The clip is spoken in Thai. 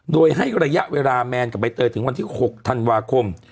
โดยให้ระยะเวลาแมนกับใบเตยถึงวันที่๖ธันวาคม